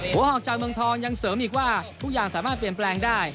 ออกจากเมืองทองยังเสริมอีกว่าทุกอย่างสามารถเปลี่ยนแปลงได้